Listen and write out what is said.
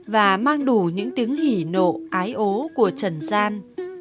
và mang đủ những tiếng hỉ nộ ái ố của trần gian